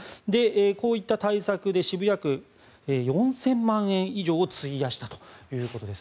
こういった対策で渋谷区、４０００万円以上を費やしたということです。